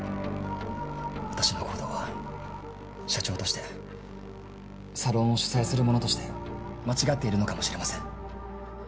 私の行動は社長としてサロンを主催する者として間違っているのかもしれません。